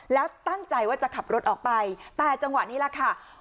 แล้วตั้งใจว่าจะขับรถออกไปแต่จังหวะนี้แหละค่ะ